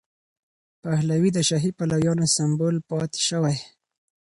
پهلوي د شاهي پلویانو سمبول پاتې شوی.